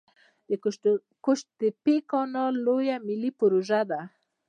د قوش تیپې کانال لویه ملي پروژه ده